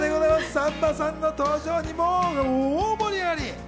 さんまさんの登場に大盛り上がり。